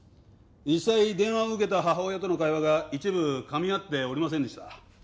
実際電話を受けた母親との会話が一部噛み合っておりませんでした。